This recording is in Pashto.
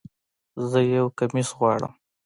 زه یو کمیس غواړم